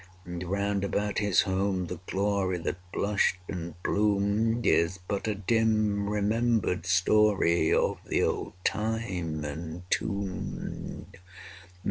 And, round about his home, the glory That blushed and bloomed Is but a dim remembered story Of the old time entombed.